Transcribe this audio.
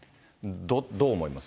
どう思います？